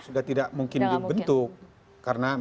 sudah tidak mungkin dibentuk